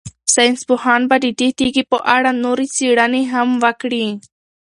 ساینس پوهان به د دې تیږې په اړه نورې څېړنې هم وکړي.